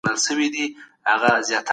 سم نیت ناامیدي نه جوړوي.